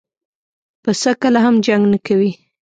پسه کله هم جنګ نه کوي.